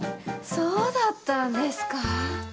そうだったんですかぁ。